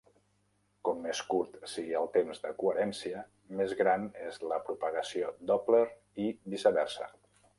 Com més curt sigui el temps de coherència, més gran és la propagació Doppler i viceversa.